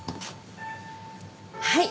はい。